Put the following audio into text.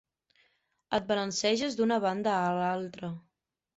Et balanceges d'una banda a l'altra.